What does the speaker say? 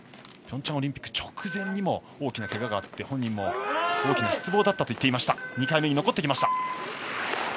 ピョンチャンオリンピック直前も大きなけががあり本人も大きな失望だったと言っていましたが２回目に残ってきました。